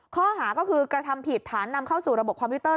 ข้อหาก็คือกระทำผิดฐานนำเข้าสู่ระบบคอมพิวเตอร์